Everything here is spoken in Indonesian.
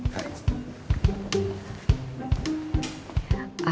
pamit dulu ya